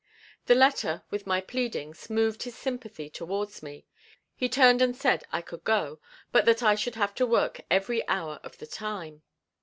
The letter with my pleadings moved his sympathy towards me; he turned and said, I could go but that I should have to work every hour of the time.